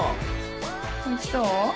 おいしそう？